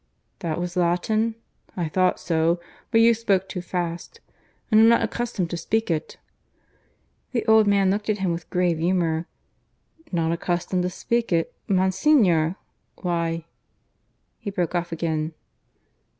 "That was Latin? I thought so. But you spoke too fast; and I'm not accustomed to speak it." The old man looked at him with grave humour. "Not accustomed to speak it, Monsignor! Why " (He broke off again.)